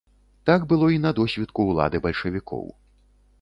Так было і на досвітку ўлады бальшавікоў.